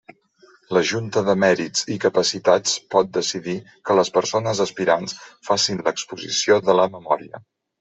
La Junta de Mèrits i Capacitats pot decidir que les persones aspirants facin l'exposició de la memòria.